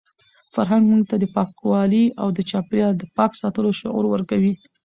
فرهنګ موږ ته د پاکوالي او د چاپیریال د پاک ساتلو شعور ورکوي.